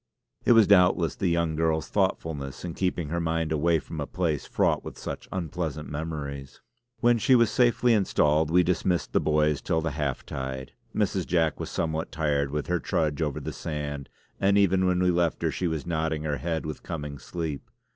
It was doubtless the young girl's thoughtfulness in keeping her mind away from a place fraught with such unpleasant memories. When she was safely installed we dismissed the boys till the half tide. Mrs. Jack was somewhat tired with her trudge over the sand, and even when we left her she was nodding her head with coming sleep.